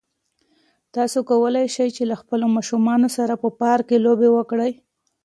تاسو کولای شئ چې له خپلو ماشومانو سره په پارک کې لوبې وکړئ.